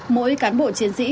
mỗi cán bộ chiến sĩ